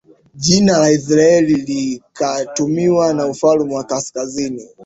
jina la Israeli likatumiwa na ufalme wa kaskazini